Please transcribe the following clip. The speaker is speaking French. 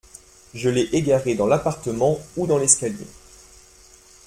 Je l’ai égaré dans l’appartement ou dans l’escalier…